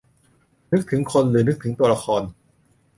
นึกถึงคน หรือนึกถึงตัวละคร ?